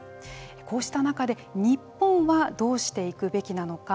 こうした中で日本はどうしていくべきなのか